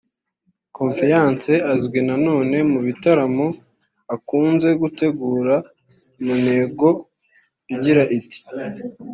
Confiance azwi na none mu bitaramo akunze gutegura mu ntego igira iti